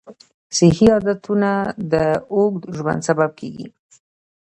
صحي عادتونه د اوږد ژوند سبب کېږي.